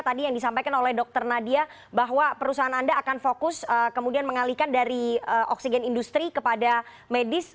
tadi yang disampaikan oleh dr nadia bahwa perusahaan anda akan fokus kemudian mengalihkan dari oksigen industri kepada medis